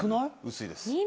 薄いです。